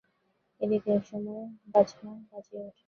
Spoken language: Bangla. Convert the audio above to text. এদিকে একসময় বাজনা বাজিয়া ওঠে।